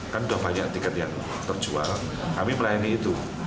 kan sudah banyak tiket yang terjual kami melayani itu